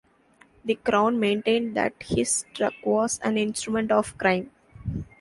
The Crown maintained that his truck was an instrument of crime.